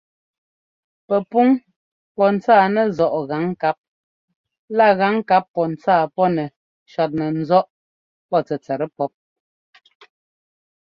Pɛpúŋ pɔ́ ńtsáa nɛzɔ́ꞌ gaŋkáp lá gaŋkáp pɔ́ ntsáa pɔ́ nɛ shɔtnɛ ńzɔ́ꞌ pɔ́ tɛtsɛt pɔ́p.